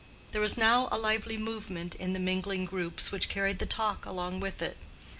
There was now a lively movement in the mingling groups, which carried the talk along with it.